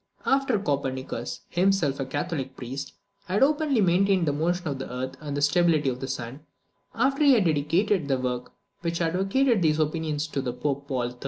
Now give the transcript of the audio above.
After Copernicus, himself a catholic priest, had openly maintained the motion of the earth, and the stability of the sun: after he had dedicated the work which advocated these opinions to Pope Paul III.